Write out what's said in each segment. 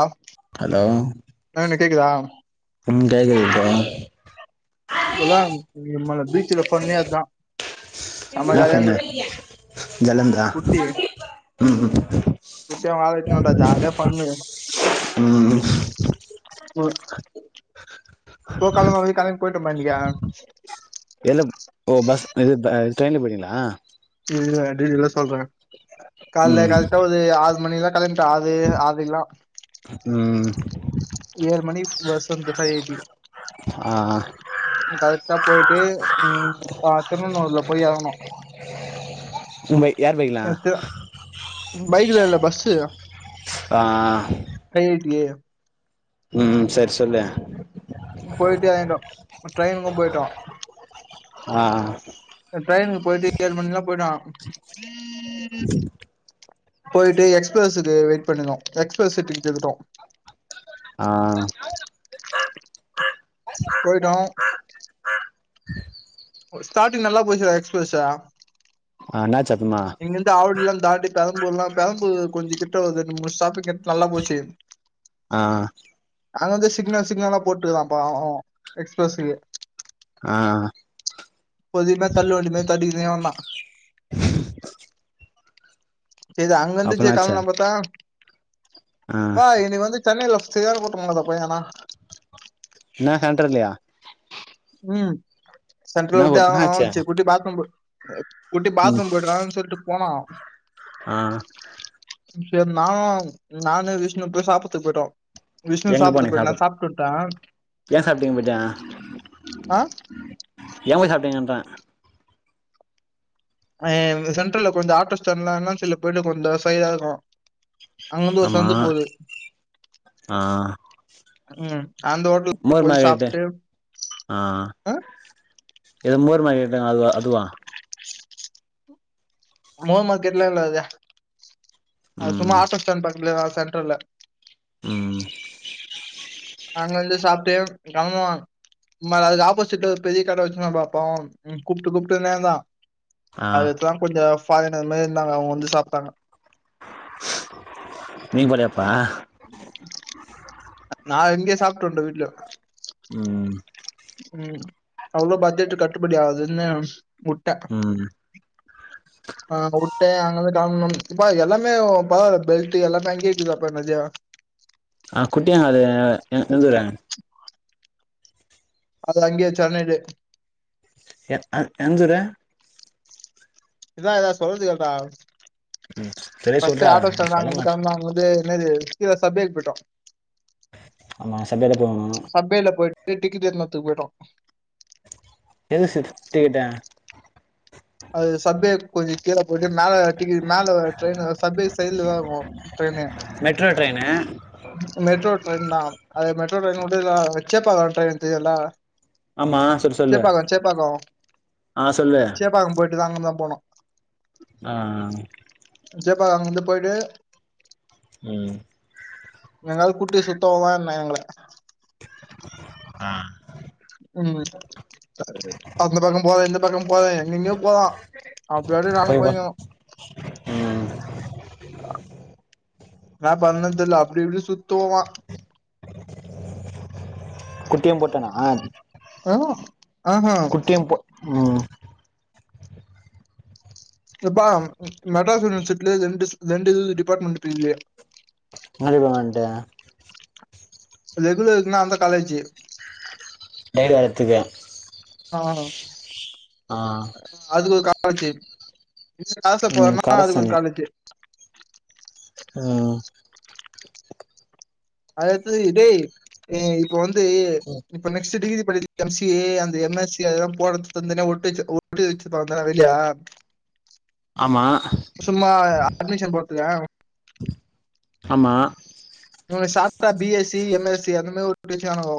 ஆ hello நானு கேக்குதா ம் கேக்குதுப்பா தோழா நம்ம பீச்சில ஃபன்னே அதா என்ன சொன்ன ஜாலியா இந்தா குட்டி ம் குட்டி அவங்க ஆள வச்சுனோம்டா ஜாலியா ஃபன்னு ம் ம் இப்போ கிளம்ப கிளம்பி போயிட்டோம்டா இன்னைக்கு எல்ல ஓ பஸ் என்னது டேஸ் ட்ரெயின்ல போனீங்களா இல்ல டீடெயிலா சொல்றே காலே ம் கரெட்டா ஒரு ஆறு மணிக்குலா கெளம்பிட்ட ஆறு ஆறக்கிலா ம் ஏழு மணி பஸ் வந்துட்டா ஏத்தி ஆ ம் கரெட்டா போயிட்டு ம் பாத் திருனன்னூர்ல போயி எறங்கணும் மும்பை யார் வைல்லா பைக்ல இல்ல பஸ்ஸு ஆ ஆ ஃபைவ் எயிட்டி ம் சரி சொல்லு போயிட்டேந்தோ ட்ரெயினுக்கும் போயிட்டோ ஆ இப்ப ட்ரெயின்க்குபோயிட்டு ஏழு மணிக்கெல்லாம் போயிட்டான் போயிட்டு எக்ஸ்பிரஸ்க்கு வெய்ட் பண்ணணும் எக்ஸ்பிரஸ் டிக்கெட் எடுத்துட்டோம் ஆ போயிட்டோம் ஸ்டார்டிங் நல்லா போயிச்சுடா எக்ஸ்பிரஸ் ஆ ஆ என்னாச்சு அப்பமா இங்கிருந்து ஆவடி எல்லாம் தாண்டி பெரம்புர்லாம் தாண்டி கொஞ்சம் கிட் ட ரெண்டு மூணு ஸ்டாப்பிங் நல்லா போச்சு ஆ அது வந்து சிக்னல் சிக்னலா போட்டுக்கலாம்ப்பா எக்ஸ்பிரஸ்க்கு ஆ புது ம தல்லுவண்டி மாரிதட்டினே வந்தான் செரி அங்க அப்ப இருந்துச்சே என்னாச்சு காலலாம் பார்த்தா ஆ பா என்னை வந்து சென்னை ரோஸ் தெரியாத போர்ட் [unintelligible] அந்த பையங்கன்னா என்ன சென்டர்லையா ம் சென்ரல் விட்டு என்னாச்சு இரங்கனும் செரி குட்டி பாத்ரூம் குட்டி ம் பாத்ரூம் போய்ட்டுலாம் சொல்ட்டு போனா ஆ செரி நான் நானும் விஷ்ணு போய் சாப்றத்துக்கு போயிட்டோம் எங்க போனீங்க சாப்பிடுதுக்கு ஏன் சாப்பிட்டீங்க போய்ட்டு ஆ ஏன் போய் சாப்பிட்டீங்கறேன் அ சென்ட்ரல்ல கொஞ்சம் ஆட்டோ ஸ்டாண்ட் எல்லாம் சில பேரு கொஞ்சம் ஷையா இருக்கும் அங்கிருந்து ஒரு ஆமா சந்து போது ஆ ம் அந்த ஹோட்டல்ல மோர் போய் மார்கெட்டு சாப்பிட்டு ஆ ஆ, இது மோர் உப்புமா கேட்டேன் அதுவா அதுவா மூன் மார்கெட்டன என்னாது அது சும்மா ஆட்டோ ஸ்டாண்ட் பாக்துல சென்டரல ம் அங்க வந்து சாப்டு கெளம்புவோனு ம அதுக்கு ஆப்போசிட் பெரிய கடை வச்சுன்னா பாப்போம் கூப்புட்டு கூப்புட்டு நேந்தான் அதுக்லா கொஞ்சோ பாங்நகர் இருந்தாங்க அவுங்க வந்து சாப்டாங்க நீ படையப்பா நா இங்க சாப்டு வண்டே வீட்ல ம் ம் அவ்ளோ பட்ஜெட் கட்டுபடி ஆகதுன்னு முட்ட ஆ உட்டேன் அங்கந்து கெளம்ணு இப்பா எல்லாமே பரவால பெல்ட் எல்லாம கேக்குதாப்ப நெர்யா ஆ குட்டியா அது எந்தூர அது அங்கேய சென்னைலே எ அ ஆ என்சுர இற்றா இற்றா சொல்றது கேள்றா சரியா பஸ்ட் சொல்றா ஆட்டோ ஸ்டாண்ல சொல்ல அங்கந்து மாட்ட கெளம்புனா அங்கந்து என்னது கீழ சபேக்கு போயிட்டோம் ஆமா சபையில போகணு சபேல போயிட்டு டிக்கிட்டு வர்னு துக்கு போயிடு எது சுத்தி கிட்டேன் அது சப்வேகொஞ்ச கீழ போயிட்டு மேல டிக்கு மேல train subway train metro train metro train தா அது மெட்ரோ ட்ரெய் அப்டிதா சேப்பாக்க ட்ரெயின் இது எல்லா ஆமா சொல்லு சொல்லு சேப்பாக்கம் சேப்பாக்கம் ஆ சொல்லு சேப்பாக்கம் போயிட்டு தான் அங்க தான் போனோம் ஆ சேப்பாக அங்கந்து போயிட்டு ம் எங்காலு குட்டி சுத்தவதான் என்ன எங்கள ஆ ம் அந்த பக்கம் போறே இந்த பக்கம் போறே எங்கெங்யோ போறா அப்டியாச்சு நானு போய் பா போயிருக்கணு ம் நா பண்ணு தெர்ல அப்டி இப்டி சுத்துவா குட்டியும் போட்டனா ஆ ஆ ஆஹா குட்டியும் போ ம் யப்பா மெட்ராஸ் யுனிவசிட்டிலே ரெண்டு ரெண்டு இது டிபார்ட்மெண்ட்டு [unintelligible] முன்னாடி போங்க வன்ட்டு சோ ரெகுலர் இருக்குனா அந்த காலேஜு கைல அத்துக ஆ அதுக்கு கா ல்ஜு இல்ல காச ம் போறன்னா அதுக்கொரு கரசனு காலேஜு ம் அத எட்த்தது‌கு‌ டேய் எ இப்ப வந்து இப்ப நெக்ஸ்ட்டு டிகிரி போறது எம் சி ஏ அந்த எம் எஸ் சி அதெல்லா போட தனிதனியா ஒட்டு வச்சு ஒட்டு வச்சுட்டு வந்தான அது இல்லயா ஆமா சும்மா அட்மிஷன் போட்டியா ஆமா B S C M S C அந்த மாரி உருப்டியாச்சு ஆனவோ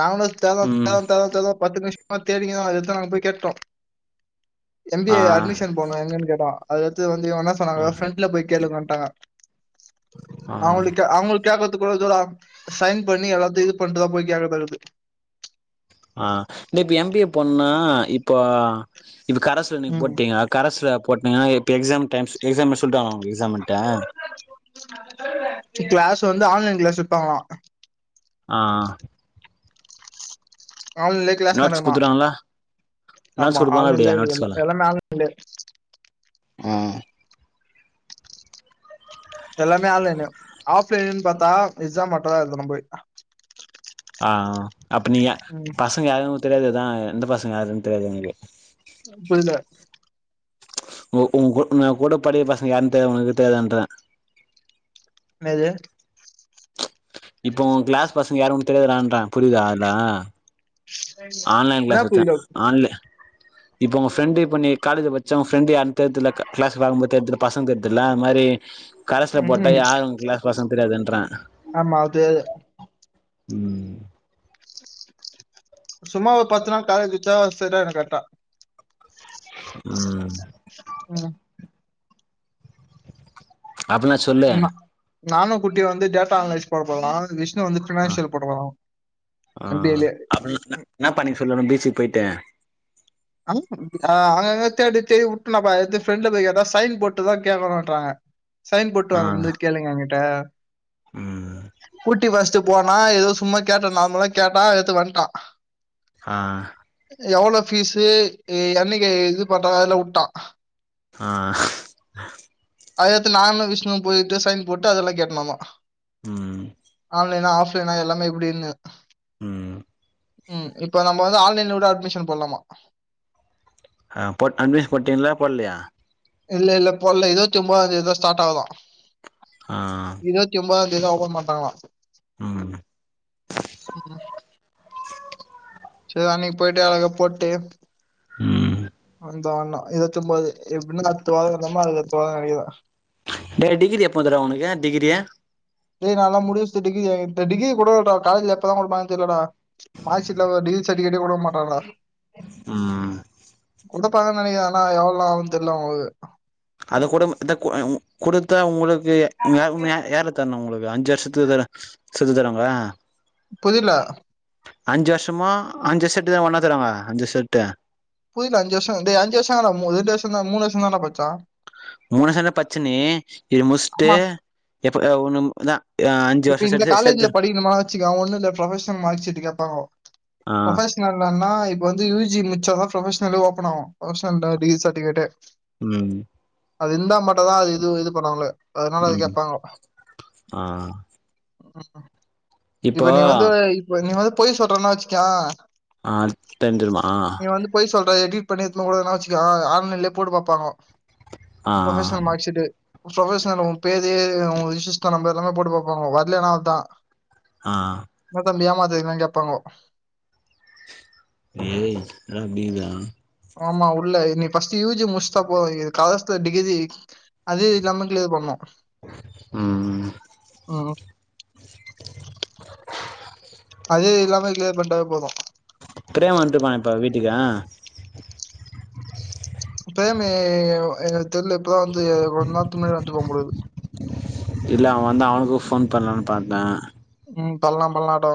நாங்களு தேறோ‌ ம் தேறோ‌ தேறோ தேட்றோ பத்து நிமிஷ மா தேடிகினோ அது‌ எத்த நாங்க போய் கேட்டோ எம் பி ஏ ஆ அட்மிஷன் போட்னு எங்கன் கேட்டா அது எட்த்து‌ வ ந்தினியு என்ன ஆ சொன்னாங்க ஃபிரன்ட்ல போய் கேளுங்கன்டாங்க ஆ அவங்கள்ட்ட கே அவுங்கள்க் கே்கற்து கூட இதோ நா சைன் பண்ணி எல்லாத்தையு இது பண்ட்டுதா போய் கேக்கதா இக்குது ஆ நீ இப்ப எம் பி ஏ போன்னா இப்போ இப்ப கரஸ்ல நீங் ம் போட்டீங்க கரஸ்ல போட்டீங்கன்னா இப்ப எக்ஸாம் டைம்ஸ் எக்ஸாம சொல்டுவாங்க எக்ஸாமுன்ட்டு ஸு வந்து ஆன்லைன் கிளாஸ் வப்பாங்கலா அ ஆ ஆன்லைன்லே கிளாஸ் நோட்ஸ் நடக்குமா குடுத்துட்டாங்களா ஆமா நோட்ஸ் குடுப்பாங்களா எப்டி ஆன்லைன்ல எல்லா‌ நோட்ஸ்கெல்லா எல்லாமே ஆன்லைன்லயே ஆ இதெல்லாமே ஆன்லைனு ஆஃப்லைனுன் பாத்தா எக்ஸாம் மட்டு தா எழுதனு போய் ஆ அப்ப நீ ம், பசங்க யாரு தெரியாதுதா எந்த பசங்க யாருன்‌தெரியாது எனக்கு புரில உ உங்க கூ உன்ன கூட படிக்கற பசங்க யாருன்னு தெரியாத உனக்கு தெரியாதான்றன் என்னாது இப்ப ஓ கிளாஸ் பசங்க யாரும் ஒனக்கு தெரியாதுறா இன்றன் புரியுதா அதுல்லா ஆன்லைன் என்ன கிளாஸ் வச்சன் புரியல ஆன்ல இப்போ உங்க ஃப்ரெண்டு இப்ப நீ காலேஜி பச்ச ஓ ஃப்ரெண்டு யாரு தெர்துல்ல க கிளாஸ் பாக்கும்போது தெர்துல்ல பசங்க தெர்துல்ல அந்த மாரி கரஸ்ல போட்டா ம் யாரு உங்க கிளாஸ் பசங் தெரியாதுன்ற ஆமா அது ம் சும்மா ஒரு பத்து நாள் காலேஜி வச்சா செரியாயிடு கரெட்டா ம் ம் அப்பனா சொல்லு ம் நானும் குட்டி வந்து டேட்டா அனலைஸ் போட போறோ நானு விஷ் ணு வந்து ஆ பினான்சியல் போட போறா எம் பி ஏலே எல்லாரு பீச்சிக்கு போயிட்டு அனுப் ஆ அங்கங்க தேடி தேடி உட்டுனப்ப எத்து ஃப்ரெண்ட்ல போயி எதா சைன் போட்டுதான் கேக்கணுன்றாங்க சைன் ஆ போட்டுவாங்க வந்து கேளுங்க ஏன்கிட்ட ம் கூட்டி வஸ்ட்டு போனா ஏதோ சும்மா கேட்டனு நார்மலா கேட்டா எடுத்து வண்ட்டா ஆ எவ்ளோ பீஸு என்னைக்கு இது பண்றாங்க அதுலா உட்டா ஆ அத எத்து நானும் விஷ்ணுவு போயிட்டு சைன் போட்டு அதெல்லா கேட்டனு வந்தோ ம் ஆன்லைனா ஆஃப் லைனா எல்லாமே எப்டின்னு ம் ம் இப்ப நம்ப வந்து ஆன்லைன்ல கூட அட்மிஷன் போடலாமா ஆ போட் அட்மிஷன் போட்டிங்களா போட்லையா இல்ல இல்ல போடல ஏதோ சும்மா அது ஏதோ ஸ்டார்ட் ஆவுதா ஆ இருவத்தி ஒம்பதாந் தேதிதா ஓப்பன் பண்றாங்களா ம் ம் சேரி அன்னைக்கு போயிட்டு அழக போட்டு ம் [unintelligible] டேய் டிகிரி எப்போ வந்தது உனக்கு டிகிரியி டேய் நாலா முடிச்சுட்டு இந்த டிகிரிகோட இருகோட காலேஜ்ல எப்பதா குடுப்பாங்க தெரியலடா மார்க்சீட்ல டிகிரி சர்டிவிகேட் குடுக்க மாட்டாங்க டா ம் உந்த பாக்க நெனக்கிறன் ஆனா எவள நேர ஆகனு தெரியில உங்களுக்கு [unintelligible] குடுத்தேன் உங்களுக்கு [unintelligible] யாரு தரனும் உங்களுக்கு அஞ்சு வருஷத்துக்கு செத்து தரங்க புரில அஞ்சு வருஷமா அஞ்சு ஷரட்டு் தா ஒண்ணா தராங்க அஞ்சு ஷட்டு புரில அஞ்சு வருஷம் இந்த அஞ்ச வருஷம் ரெண்டு வருஷம் த மூன்று வருஷம் தானே படிச்ச மூணு வருஷம் பச்ச நீ இது முடிச்சுட்டு ஆமா எப்ப [unintelligible] இப்ப வருஷம் இந்த செட்டு காலேஜுல சேத்து படிக்கணுக்கா வச்சிக ஒண்ணு ப்ரொபஷனல் மார்க் சீட் கேப் ஆ [unintelligible] ப்ரொபஷனல்ணா இப்ப வந்து யுஜி முடிச்சான்னா ப்ரொபஷனல் ஒப்பன் ஆகும் டிகிரி சர்டிபிகேட்டு ம் அது இருந்தா மட் தா அது இது இது பண்ணாவங்களேஅதனால அது ம் கேப்பாங்கா ஆ ஆ இப்போ இப்ப நீ வந்து இப்ப நீ வ போய் சொல்றேன்னா வச்சுக்கே ஆ தெரிஞ்சிறுமா பண்ண கூடனே வச்சுக்க ஆன்லைன்லே போட்டு பாப்பாங்க ஆ ப்ரொபஷனல் மார்க் சீட்டு ப்ரொபஷனல் பேர் இது உ ரெசிஸ்டர் நம்பரும் போட்டு பாப்பாங்க வரலனா அவ்ளோ தா ஆ ஏமாத்தன்ன கேப்பாங்கோ ஏய் [unintelligible] ஆமா உள்ள நீ ஃபர்ஸ்ட் யூ ஜி முடிச்சுதா போ கரஸ்ல டிகிரி அதே இல்லாம கமெண்ட்லேயே பண்ணோம் ம் ம் ம் அதே இல்லாம கிளியர் பண்ணடாவே போதும் பிரேம் வந்துட்டு போனா இப்பா வீட்டுக்கு ஆ பிரேம் எங்களுக் தெர்ல இப்பதான் வந்து ஒரு நாள் பின்னாடி வந்து இருப்பான் போலருக்கு இல்ல அவன் வந்து அவனுக்கும் ஃபோன் பண்ணலான்னு பார்த்தேன் ம் பண்ணலாம் பண்ணலாம்டா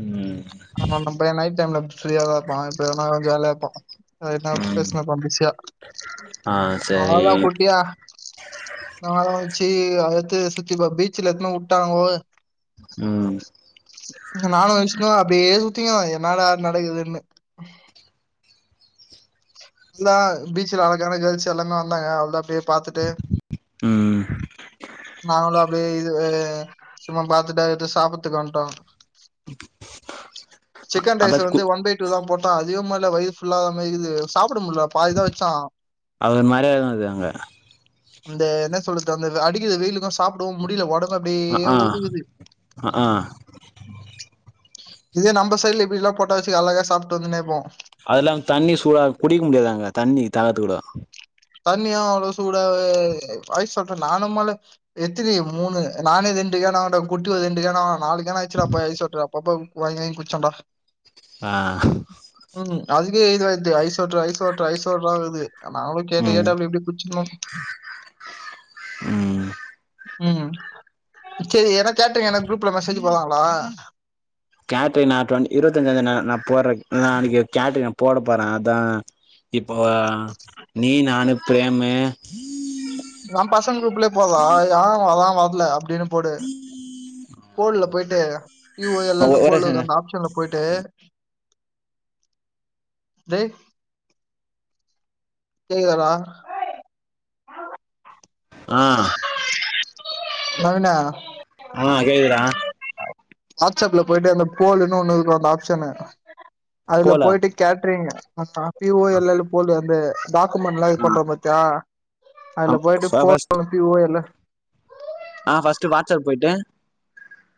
ம் ஆமா நைட் டைம்ல ஃப்ரீயா தான் இருப்பான் இப்பனா கொஞ்ச வேலையா இருப்பான் எதுன்னா ம் பேசுனா இருப்பான் பிசியா ஆ அவளோ சரி தான் குட்டியா நமாம் வெச்சு டு சுத்திப்பா பீச்சல எத்தன விட்டாங்களோ ம் இப்டியே சுத்திக்கும் என்னடா நடக்குதுன்னு இந்தா எல்லாம் பீச்சல அழகான கேர்ள்ஸ் எல்லாமே வந்தாங்க அவ்ளோதான் போய் பார்த்துட்டு ம் இ இது சும்மா பாரத்துட்டா சாப்பிடுத்துக் வந்துடோம் சிக்கன் அதா ரைஸ் கு வந்து ஒன் பை டூ தான் போட்டன் அதிக மாதிரி வயிறு ஃபுல்லா ஆகாமல் இருக்குது அவரு மாரியா தான் இருந்துது அங்க அந்த என்ன சொல்றது அந்த அடிக்கிறது வெயிலுக்கும் சாப்பிடவும் முடியல உடம்பு அ அப்படியே ஆ ஊதுகுது அ ஆ இதே நம்ம சைடுல இப்படில்லாம் போட்ட வச்சு அழக சாப்பிட்டு வந்துன்னே இருப்போம் அதெல்லாம் தண்ணி சூடா குடிக்க முடியாதாங்க தண்ணி தாகத்துக்கூட தண்ணியா அவ்வளோ சூடாவே ஐஸ் வாட்டர் நானும்மலே எத்தின மூணு நானே ரெண்டுக்கான அவ குட்டிது ரெண்டுக்கான நாளைக் என்ன ஆயச்சுன்னா அப்ப ஐஸ் வாட்டர் அப்பப்பம் வாங்கிவாங்கி குச்சான்டா ஆ அதுக்கே இதுவது ice water ice water ice வாட்டராங்குது கேட்டு ம் கேட்டு அப்டி இப்டி குச்சுகனும் ம் ம் செரி ஏதா கேட்டிங்கனா குரூப்ல மெசேஜ் போடுவாங்களா கேடரின்னா இருபத்தஞ்சா தேதி நான் போடுறேன் நாளைக்கு கேட்ரின்னு நான் போட போறேன் அதான் இப்போ நீ நானு பிரேம்மு நா பசங்க குருப்ல போடலா யார் வரான் பாப் இல்ல அப்டின்னு போடு போட்ல போயிட்டு இ ஓ யல் அ ஒ யல்னு ஒரே போள்ளது அந்த செகண்ட் ஆப்ஷன்ல போயிட்டு டேய் கேக்குதாடா ஓ ஆ [unintelligible] நவினு ஆ கேக்குதுடா வாட்ஸ்அப்ல போயிட்டு அந்த போலுன்னு ஒன்னுருக்கு அந்த ஆப்ஷனு அதுல போல போயிட்டு கேட்ரிங் மற்றா பி ஓ எல் எல் போல் அந்த டாக்குமெண்ட் லா இது ஆ பண்றோ பாத்தியா அ அதுல போயிட்டு ஃப ஃபஸ்ட் போல்ல போயி ஒ எல் லு ஆ ஃபஸ்ட் வாட்ஸ்அப் போயிட்டு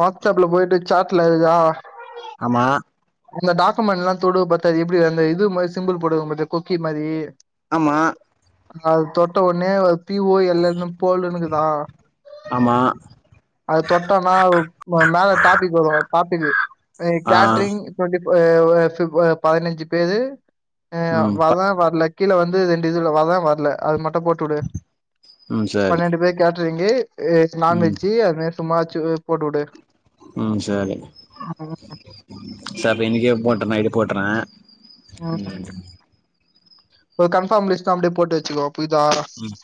வாடஸ்அப்ல போய்ட்டு சாட்ல இருக்கா ஆமா இந்த டாக்குமெண்ட் எல்லா தொடு பத்த அது எப்படி அந்த இது மாரி சிம்பில் போடும்பத்யா கொக்கி மாறி ஆமா அது தொட்ட உனே அது பி ஓ எ ல்லுன்னு போல்னுக்குதா ஆமா அது தொட்டனா மேல டாபிக் வரு ஒரு டாபிக்கு அது ஆ கேட்ரிங் டொடி ஓ ஓ ஓ பதினஞ்சு பேரு அ ம் ப வரலான் வ லக்கில வந்து து ரெண்டு இதுல அதா வரல அது மட் போட்டுடுடு ம் சரி பன்னிரெண்டு பேரு கே சரிங்கு ஏ நா ம் வெஜ்ஜி அப்பமாச்சு உ போட்டுடு ம் சரி சரி இன்னைகே போட்ட நா போட்டுறே ம் ஒரு கன்ஃபர்ம் லிஸ்ட்டா அப்டியே போட்டு வச்சுக்கோ புரிதா ம்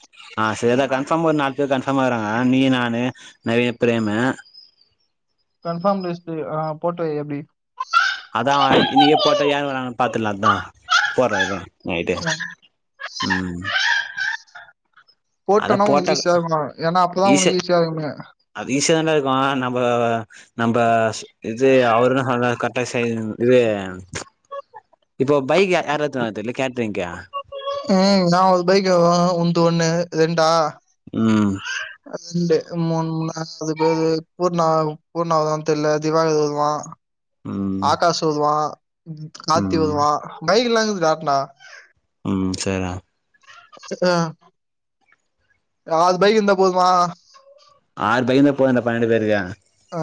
ஆ சேரி டா கன்ஃபார்ம் ஒரு நாலு பேர் கன்ஃபாம் ஆறாங்க அ நீ நானு நவீ பிரேமு கன்ஃபார்ம் லிஸ்ட்டு ஆ போட்ட வை அப்டி அதான் இன்னிக்கே போட்டா யேன் வராங்கன்னு பாத்துலதா போடுறே இரு நையிட்டு ம் ஆ அத போட்டது ஏன்னா அப்பதா ஈஸு உனக்கு ஈஸியா இருக்குமே அது ஈஸியா தான்டா இருக்கும் நம்போ நம்ம இது அவருனு சொல்ர கரெக்டாக இது இப்போ பைக் யாரத் எத்துன் வருவாங் கேட் ரெங்யா ம் நா ஒரு பைக் உன்து ஒன்னு ரெண்டா ம் ரெண்டு மூணு மூணு அது பேர் பூர்ணா பூர்ணா வர்தான் தெரியல திவாகர் வருவான் ம் ஆகாஷ் வருவான் கார்தி ம் வருவான் பைக்லா இருக்குது காட்டனா ம் சேர்டா அ ஒரு ஆறு பைக்கு இருந்தா போதுமா ஆறு பைக்யிருந்தா போதுடா பன்னெண்டு பேருக்கு இருக்காங்க ஆ